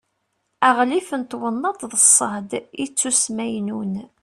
aɣlif n twennaḍt d ṣṣehd ittusmaynun